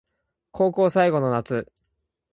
高校最後の夏